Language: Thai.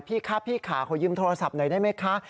พี่คะพี่ค่ะขอยืมโทรศัพท์หน่อยได้ไหมคะ